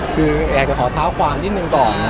คืออยากจะขอเท้าความนิดนึงก่อน